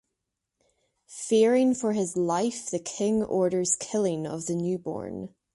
Fearing for his life, the king orders killing of the newborn.